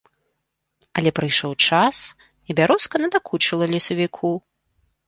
Але прыйшоў час, і бярозка надакучыла лесавіку.